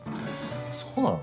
そうなの？